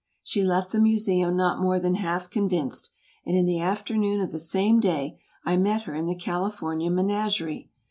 She left the Museum not more than half convinced, and in the afternoon of the same day I met her in the California Menagerie.